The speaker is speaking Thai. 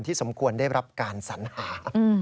สมควรได้รับการสัญหา